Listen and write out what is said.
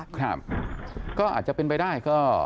ครับก็อาจจะเป็นไปได้ก็